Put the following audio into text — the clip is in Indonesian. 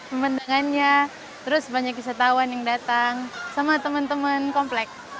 pemandangannya terus banyak wisatawan yang datang sama teman teman komplek